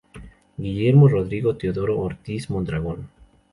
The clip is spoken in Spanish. Guillermo Rodrigo Teodoro Ortiz Mondragón.